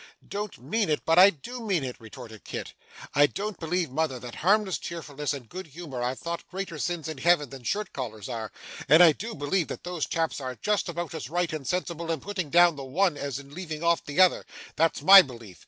'Don't mean it? But I do mean it!' retorted Kit. 'I don't believe, mother, that harmless cheerfulness and good humour are thought greater sins in Heaven than shirt collars are, and I do believe that those chaps are just about as right and sensible in putting down the one as in leaving off the other that's my belief.